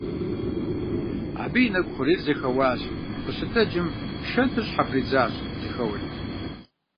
Абы и нэкӀу хъурейр зэхэуащ, къыщытэджым шэнтыр щхьэпридзащ, жьэхэуэри.